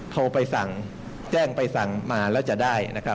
โทรไปสั่งแจ้งไปสั่งมาแล้วจะได้